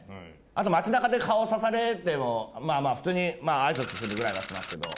あと街中で顔を指されても普通に挨拶するぐらいはしますけど。